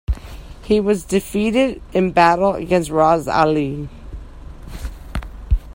He was defeated in battle against Ras Ali.